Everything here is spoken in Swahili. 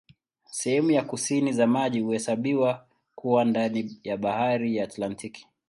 Sehemu za kusini za maji huhesabiwa kuwa ndani ya Bahari ya Antaktiki.